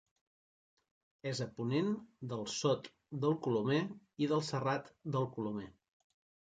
És a ponent del Sot del Colomer i del Serrat del Colomer.